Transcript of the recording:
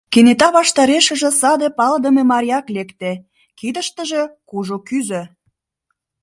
Кенета ваштарешыже саде палыдыме марияк лекте, кидыштыже кужу кӱзӧ.